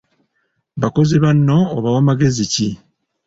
Bakozi banno obawa magezi ki?